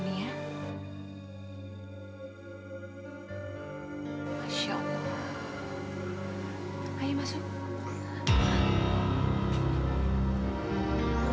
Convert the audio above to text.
padahal kamu tidak saya